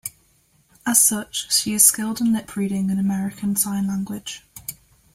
As such, she is skilled in lip reading and American Sign Language.